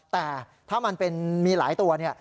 แต่ถ้ามันเป็นมีหลายตัวเนี่ย